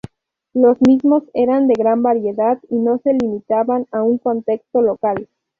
Los mismos eran de gran variedad y no se limitaban a un contexto local.